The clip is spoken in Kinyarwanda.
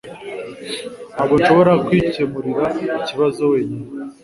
Ntabwo nshobora kwikemurira ikibazo wenyine